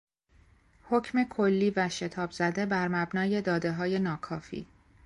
حکم کلی و شتابزده بر مبنای دادههای ناکافی